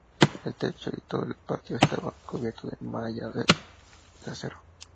El techo y todo el patio estaba cubierto de malla de acero.